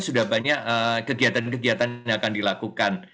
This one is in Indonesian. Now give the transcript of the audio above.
sudah banyak kegiatan kegiatan yang akan dilakukan